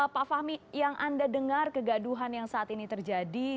pak fahmi yang anda dengar kegaduhan yang saat ini terjadi